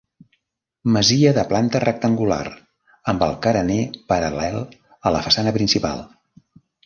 Masia de planta rectangular amb el carener paral·lel a la façana principal.